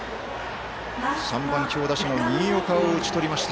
３番強打者の新岡を打ち取りました。